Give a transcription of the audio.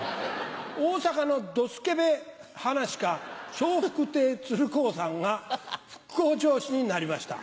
大阪のドスケベ噺家笑福亭鶴光さんが復興城主になりました。